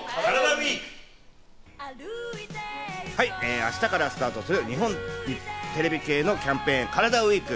明日からスタートする日本テレビ系のキャンペーン、カラダＷＥＥＫ。